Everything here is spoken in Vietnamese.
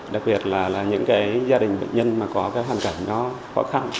đặc biệt là những cái gia đình bệnh nhân mà có cái hoàn cảnh nó khó khăn